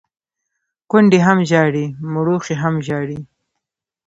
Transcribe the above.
کونډي هم ژاړي ، مړوښې هم ژاړي.